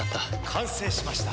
完成しました。